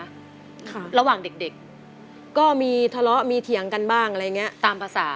ค่ะระหว่างเด็กเด็กก็มีทะเลาะมีเถียงกันบ้างอะไรอย่างเงี้ยตามภาษา